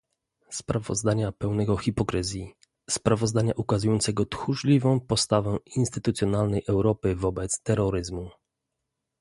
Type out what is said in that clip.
Sprawozdania pełnego hipokryzji, sprawozdania ukazującego tchórzliwą postawę instytucjonalnej Europy wobec terroryzmu